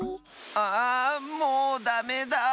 あんもうダメだ。